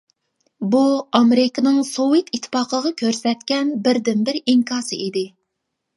بۇ ئامېرىكىنىڭ سوۋېت ئىتتىپاقىغا كۆرسەتكەن بىردىنبىر ئىنكاسى ئىدى.